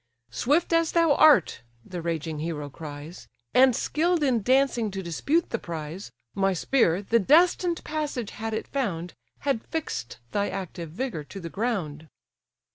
"Swift as thou art (the raging hero cries) And skill'd in dancing to dispute the prize, My spear, the destined passage had it found, Had fix'd thy active vigour to the ground."